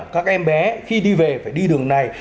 các em bé khi đi về phải đi đường này